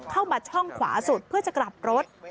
เข้ามาช่องขวาสุดเพื่อจะกลับรถ